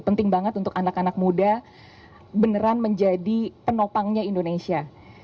penting banget untuk anak anak muda beneran menjadi penopangnya indonesia